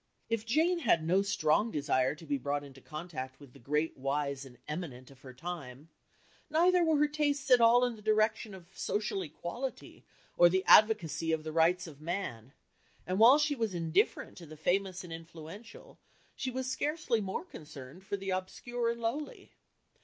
If Jane had no strong desire to be brought into contact with the great, wise, and eminent of her time, neither were her tastes at all in the direction of social equality or the advocacy of the "rights of man," and while she was indifferent to the famous and influential, she was scarcely more concerned for the obscure and lowly.